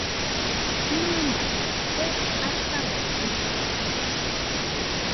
Jimenakɨ kue ataua rite